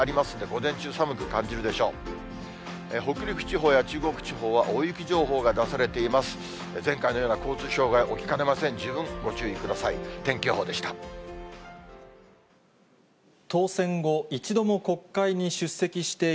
前回のような交通障害、起きかねません、十分ご注意ください。